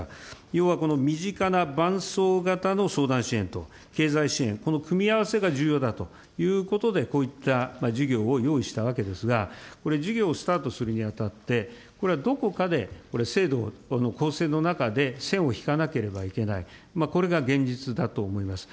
要は、この身近な伴走型の相談支援と、経済支援、この組み合わせが重要だということで、こういった事業を用意したわけですが、これ、事業をスタートするにあたって、これ、どこかで制度の構成の中で線を引かなければいけない、これが現実だと思います。